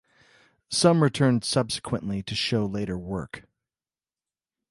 Some returned subsequently to show later work.